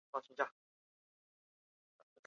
游戏的分级标志会加在包装外面和网站中。